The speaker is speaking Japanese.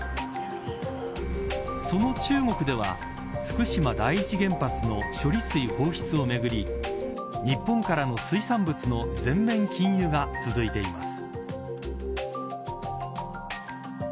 その中国では福島第一原発の処理水放出をめぐり日本からの水産物の全面禁輸が続いています。